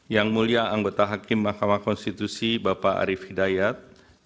yang mulia anggota hakim mahkamah konstitusi bapak arief hidayat